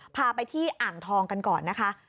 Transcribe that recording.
พาไปที่อ่างทองกันก่อนนะคะ